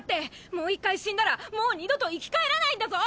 もう１回死んだらもう２度と生き返らないんだぞ！